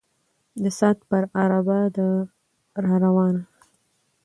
د ساعت پر عرابه ده را روانه